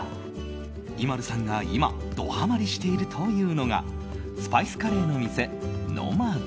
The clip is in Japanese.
ＩＭＡＬＵさんが今ドハマリしているというのがスパイスカレーの店、ＮＯＭＡＤ。